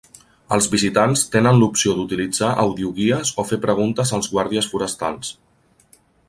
Els visitants tenen l'opció d'utilitzar audioguies o fer preguntes als guàrdies forestals.